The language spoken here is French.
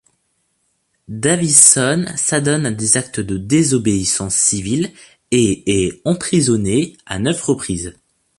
Davison s'adonne à des actes de désobéissance civile et est emprisonnée à neuf reprises.